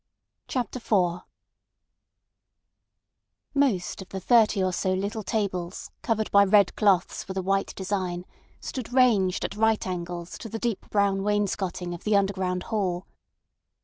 CHAPTER IV Most of the thirty or so little tables covered by red cloths with a white design stood ranged at right angles to the deep brown wainscoting of the underground hall.